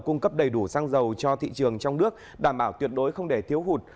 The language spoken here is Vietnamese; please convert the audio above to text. cung cấp đầy đủ xăng dầu cho thị trường trong nước đảm bảo tuyệt đối không để thiếu hụt